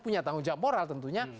punya tanggung jawab moral tentunya